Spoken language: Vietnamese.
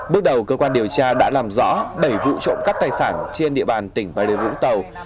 bước đầu cơ quan điều tra đã làm rõ bảy vụ trộm cắp tài sản trên địa bàn tỉnh bà điều vũng tàu